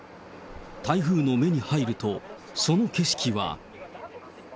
台風の目に入ると、その景色は。